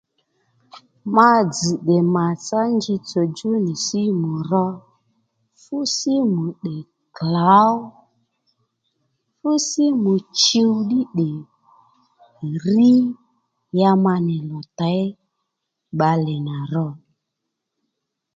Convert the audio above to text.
Ma dzz̀ tdè màtsá njitsò djú nì símù ro fú símù tdè klǒw fú símù chuw ddí tdè rí ya mà nì lò těy bbalè nà ro